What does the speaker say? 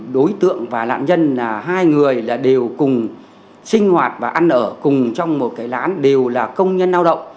đối tượng và lạng dân hai người đều cùng sinh hoạt và ăn ở cùng trong một cái lán đều là công nhân lao động